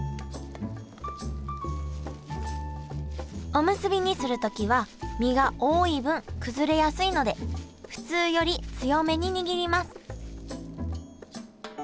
おむすびにする時は身が多い分崩れやすいので普通より強めに握ります